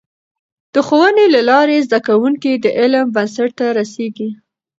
د ښوونې له لارې، زده کوونکي د علم بنسټ ته رسېږي.